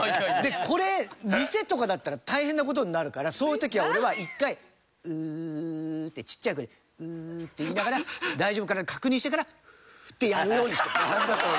これ店とかだったら大変な事になるからそういう時は俺は１回「ヴゥー」ってちっちゃい声で「ヴゥー」って言いながら大丈夫かなって確認してからフーッてやるようにしてます。